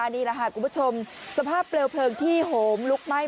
นี่แหละค่ะคุณผู้ชมสภาพเปลวเพลิงที่โหมลุกไหม้